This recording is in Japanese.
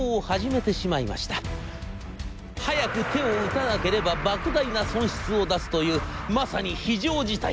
早く手を打たなければばく大な損失を出すというまさに非常事態。